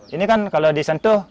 ini kan kalau disentuh